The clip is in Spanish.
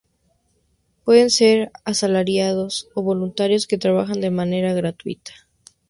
Pueden ser asalariados o voluntarios que trabajan de manera gratuita.